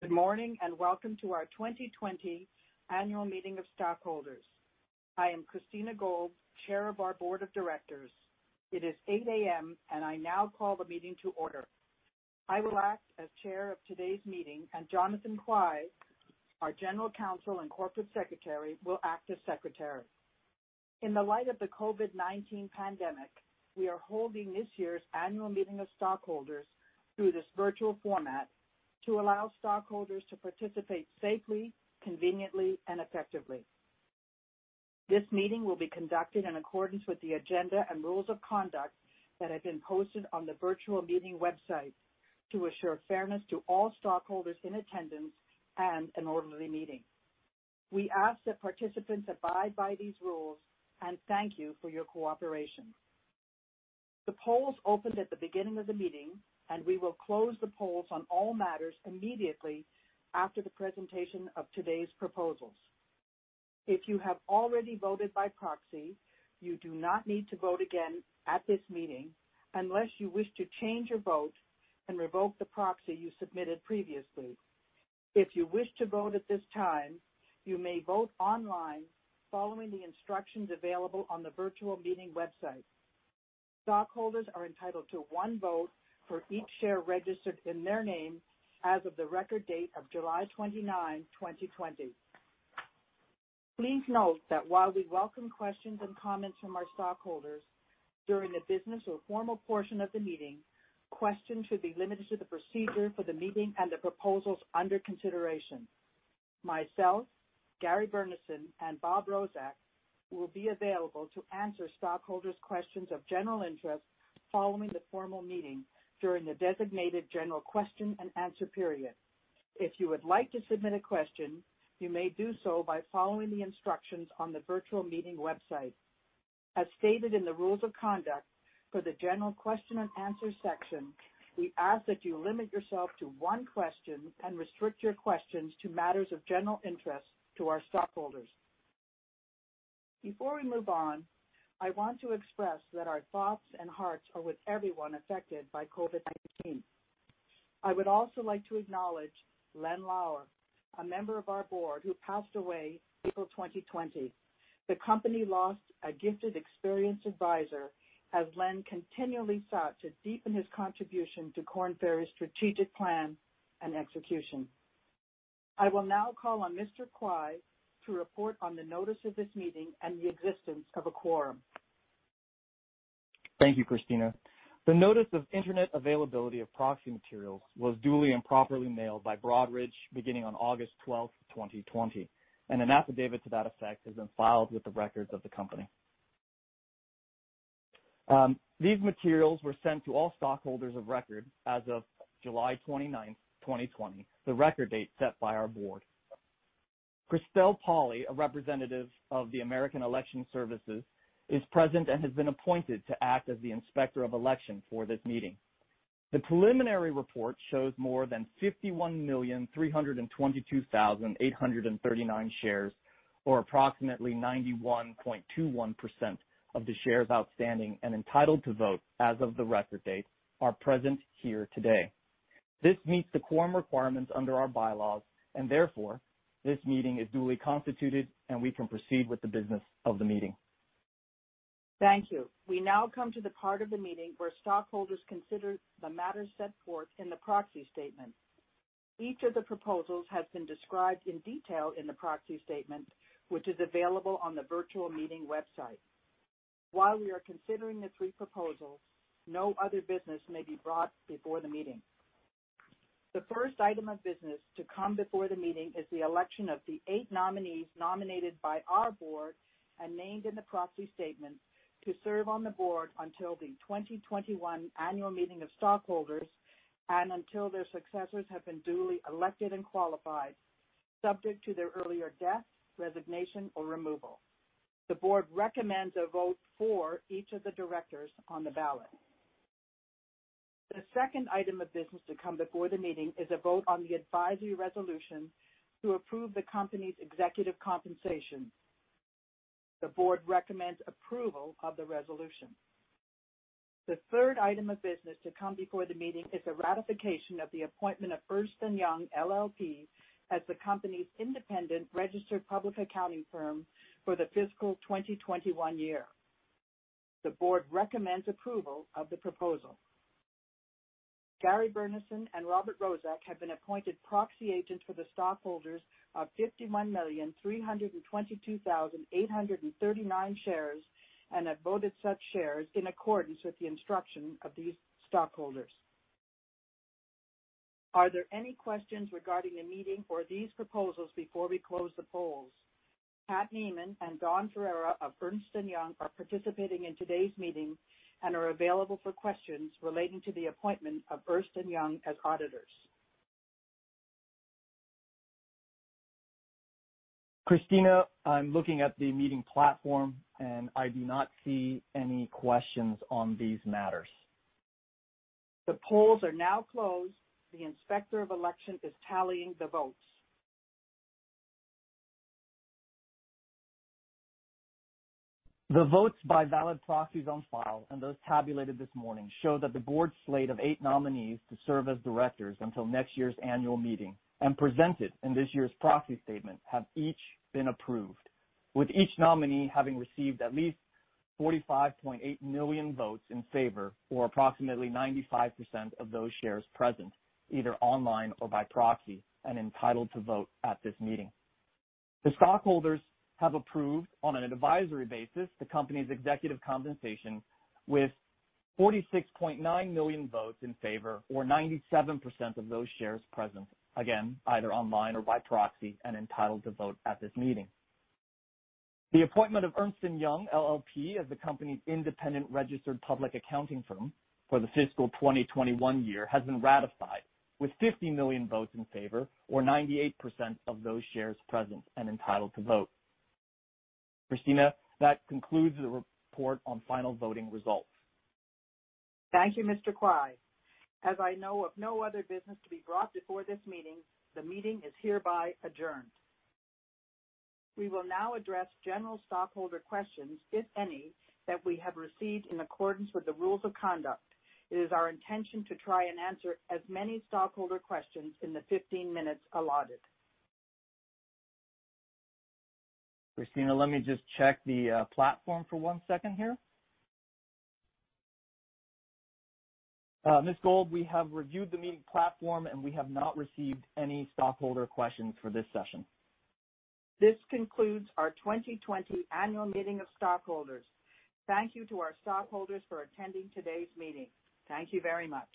Good morning, and welcome to our 2020 annual meeting of stockholders. I am Christina Gold, Chair of our Board of Directors. It is 8:00 A.M., and I now call the meeting to order. I will act as chair of today's meeting, and Jonathan Kuai, our general counsel and corporate secretary, will act as secretary. In the light of the COVID-19 pandemic, we are holding this year's annual meeting of stockholders through this virtual format to allow stockholders to participate safely, conveniently, and effectively. This meeting will be conducted in accordance with the agenda and rules of conduct that have been posted on the virtual meeting website to assure fairness to all stockholders in attendance and an orderly meeting. We ask that participants abide by these rules and thank you for your cooperation. The polls opened at the beginning of the meeting, and we will close the polls on all matters immediately after the presentation of today's proposals. If you have already voted by proxy, you do not need to vote again at this meeting unless you wish to change your vote and revoke the proxy you submitted previously. If you wish to vote at this time, you may vote online following the instructions available on the virtual meeting website. Stockholders are entitled to one vote for each share registered in their name as of the record date of July 29, 2020. Please note that while we welcome questions and comments from our stockholders during the business or formal portion of the meeting, questions should be limited to the procedure for the meeting and the proposals under consideration. Myself, Gary Burnison, and Robert Rozek will be available to answer stockholders' questions of general interest following the formal meeting during the designated general question and answer period. If you would like to submit a question, you may do so by following the instructions on the virtual meeting website. As stated in the rules of conduct for the general question and answer section, we ask that you limit yourself to one question and restrict your questions to matters of general interest to our stockholders. Before we move on, I want to express that our thoughts and hearts are with everyone affected by COVID-19. I would also like to acknowledge Len Lauer, a member of our board who passed away April 2020. The company lost a gifted, experienced advisor as Len continually sought to deepen his contribution to Korn Ferry's strategic plan and execution. I will now call on Mr. Kuai to report on the notice of this meeting and the existence of a quorum. Thank you, Christina. The notice of internet availability of proxy materials was duly and properly mailed by Broadridge Financial Solutions beginning on August 12, 2020, and an affidavit to that effect has been filed with the records of the company. These materials were sent to all stockholders of record as of July 29, 2020, the record date set by our board. Christel Pauli, a representative of the American Election Services, is present and has been appointed to act as the inspector of election for this meeting. The preliminary report shows more than 51,322,839 shares, or approximately 91.21% of the shares outstanding and entitled to vote as of the record date, are present here today. This meets the quorum requirements under our bylaws and therefore, this meeting is duly constituted, and we can proceed with the business of the meeting. Thank you. We now come to the part of the meeting where stockholders consider the matters set forth in the proxy statement. Each of the proposals has been described in detail in the proxy statement, which is available on the virtual meeting website. While we are considering the three proposals, no other business may be brought before the meeting. The first item of business to come before the meeting is the election of the eight nominees nominated by our board and named in the proxy statement to serve on the board until the 2021 annual meeting of stockholders and until their successors have been duly elected and qualified, subject to their earlier death, resignation, or removal. The board recommends a vote for each of the directors on the ballot. The second item of business to come before the meeting is a vote on the advisory resolution to approve the company's executive compensation. The board recommends approval of the resolution. The third item of business to come before the meeting is a ratification of the appointment of Ernst & Young LLP as the company's independent registered public accounting firm for the fiscal 2021 year. The board recommends approval of the proposal. Gary Burnison and Robert Rozek have been appointed proxy agents for the stockholders of 51,322,839 shares and have voted such shares in accordance with the instruction of these stockholders. Are there any questions regarding the meeting or these proposals before we close the polls? Pat Niemann and Don Ferrera of Ernst & Young are participating in today's meeting and are available for questions relating to the appointment of Ernst & Young as auditors. Christina, I'm looking at the meeting platform, and I do not see any questions on these matters. The polls are now closed. The inspector of election is tallying the votes. The votes by valid proxies on file and those tabulated this morning show that the board slate of eight nominees to serve as directors until next year's annual meeting and presented in this year's proxy statement have each been approved, with each nominee having received at least 45.8 million votes in favor or approximately 95% of those shares present, either online or by proxy, and entitled to vote at this meeting. The stockholders have approved, on an advisory basis, the company's executive compensation with 46.9 million votes in favor or 97% of those shares present, again, either online or by proxy and entitled to vote at this meeting. The appointment of Ernst & Young LLP as the company's independent registered public accounting firm for the fiscal 2021 year has been ratified with 50 million votes in favor or 98% of those shares present and entitled to vote. Christina, that concludes the report on final voting results. Thank you, Mr. Kuai. As I know of no other business to be brought before this meeting, the meeting is hereby adjourned. We will now address general stockholder questions, if any, that we have received in accordance with the rules of conduct. It is our intention to try and answer as many stockholder questions in the 15 minutes allotted. Christina, let me just check the platform for one second here. Ms. Gold, we have reviewed the meeting platform, and we have not received any stockholder questions for this session. This concludes our 2020 annual meeting of stockholders. Thank you to our stockholders for attending today's meeting. Thank you very much.